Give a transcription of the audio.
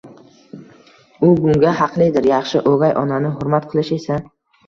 u bunga haqlidir. Yaxshi o'gay onani hurmat qilish esa